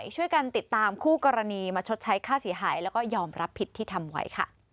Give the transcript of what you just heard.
ช่วยกันหน่อย